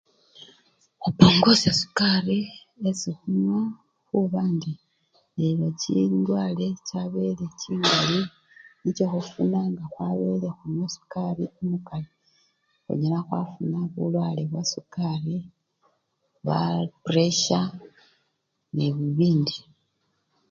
Khupungusya sukari esii khunywa khuba indi lelo chindwale chabele chingali nicho khufuna nga khwabele khunywa sukari omukali, khunyala khwafuna bulwale bwa-sukari, bwaa-puresha ne bibindi.